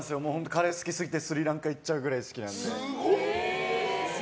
カレーが好きすぎてスリランカ行っちゃうくらいなんで。